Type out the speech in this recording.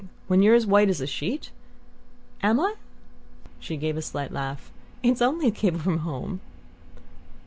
When you're as white as a sheet?" "Am I?" She gave a slight laugh. "It's only a cable from home."